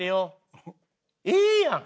ええやん！